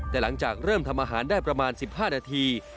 แต่หลังจากเริ่มทำอาหารได้ประมาณ๑๕นาที